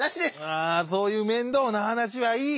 あそういう面倒なはなしはいいよ。